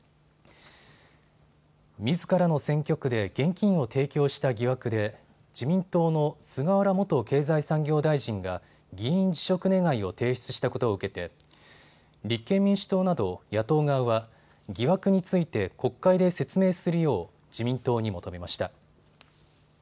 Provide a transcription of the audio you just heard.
みずからの選挙区で現金を提供した疑惑で自民党の菅原元経済産業大臣が議員辞職願を提出したことを受けて立憲民主党など野党側は疑惑について国会で説明するよう自民党に求めました。